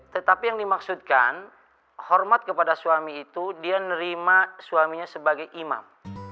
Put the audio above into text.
tetapi yang dimaksudkan hormat kepada suami itu dia nerima suaminya sebagai imam